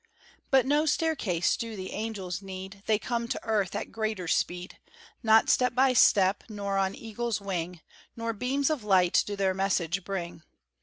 But no staircase do the angels need; They come to earth at a greater speed, Not step by step, nor on eagle's wing, Nor beams of light do their message bring.